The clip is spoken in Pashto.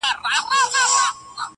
شپه د کال او د پېړۍ په څېر اوږده وای؛